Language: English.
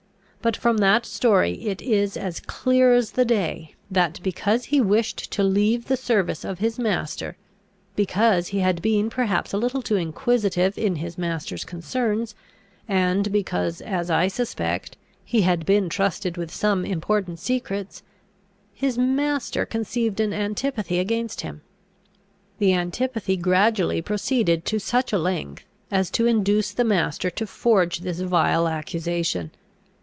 But from that story it is as clear as the day, that, because he wished to leave the service of his master, because he had been perhaps a little too inquisitive in his master's concerns, and because, as I suspect, he had been trusted with some important secrets, his master conceived an antipathy against him. The antipathy gradually proceeded to such a length, as to induce the master to forge this vile accusation.